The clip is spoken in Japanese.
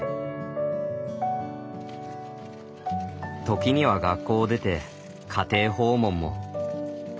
時には学校を出て家庭訪問も。